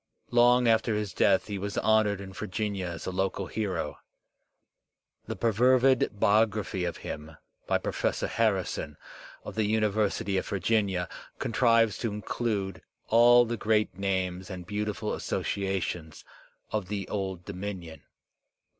Long after his death he was honoured in Virginia as a local hero. The perfervid biography of him by Pro fessor Harrison of the University of Virginia contrives to include all the great names and beautiful associations of the Old Dominion.